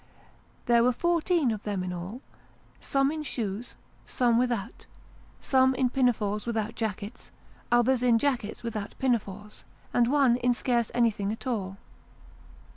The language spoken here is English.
There were fourteen of them in all, some with shoes, some without ; some in pinafores without jackets, others in jackets without pinafores, and one in scarce anything at all.